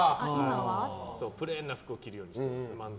プレーンな服着るようにしてます。